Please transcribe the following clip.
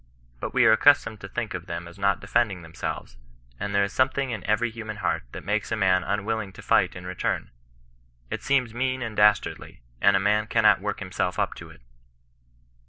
But we are accustomed to think of them as not defending themselves; and there is something iu every human heart that makes a man imwilling to fight in return. It seems mean and dastardly, and a man cannot work himself up to it."